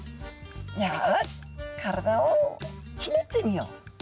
「よし体をひねってみよう」。